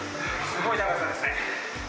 すごい高さですね。